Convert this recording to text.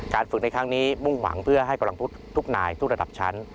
ฝึกในครั้งนี้มุ่งหวังเพื่อให้กำลังพุทธทุกนายทุกระดับชั้น